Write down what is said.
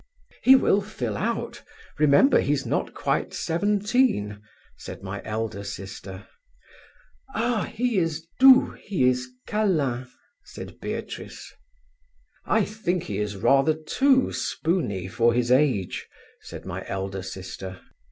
"'He will fill out. Remember, he's not quite seventeen,' said my elder sister. "'Ah, he is doux—he is câlin,' said Beatrice. "'I think he is rather too spoony for his age,' said my elder sister.